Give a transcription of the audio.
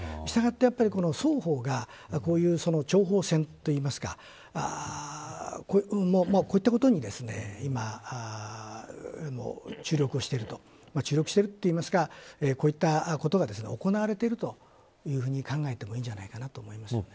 従って双方がこういう情報戦というかこういったことに、今注力しているといいますかこういったことが行われていると考えてもいいんじゃないかと思います。